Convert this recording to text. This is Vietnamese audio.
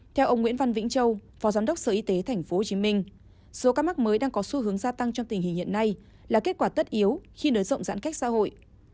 theo ông nguyễn văn vĩnh châu phó giám đốc sở y tế tp hcm số ca mắc mới đang có xu hướng gia tăng trong tình hình hiện nay là kết quả tất yếu khi nới rộng giãn cách xã hội